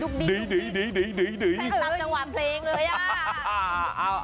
ไม่ตัดจังหวานเพลงเลย